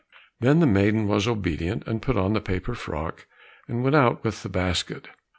Then the maiden was obedient, and put on the paper frock, and went out with the basket.